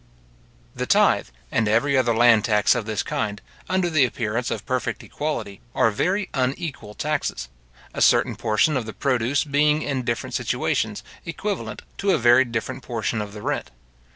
The tythe, and every other land tax of this kind, under the appearance of perfect equality, are very unequal taxes; a certain portion of the produce being in different situations, equivalent to a very different portion of the rent.